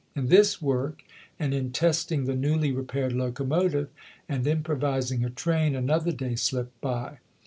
In this work, and in testing the newly repaired locomotive and improvising a train, an other day slipped by.